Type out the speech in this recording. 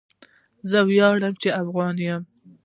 زه وياړم چي افغان یم